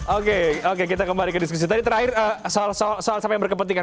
oke oke kita kembali ke diskusi tadi terakhir soal siapa yang berkepentingan